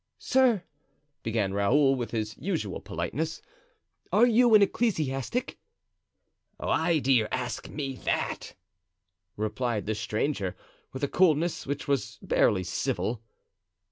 "Sir," began Raoul, with his usual politeness, "are you an ecclesiastic?" "Why do you ask me that?" replied the stranger, with a coolness which was barely civil.